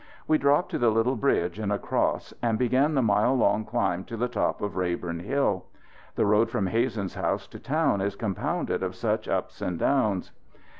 We dropped to the little bridge and across and began the mile long climb to the top of Rayborn Hill. The road from Hazen's house to town is compounded of such ups and downs.